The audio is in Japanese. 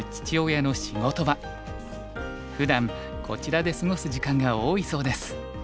ふだんこちらで過ごす時間が多いそうです。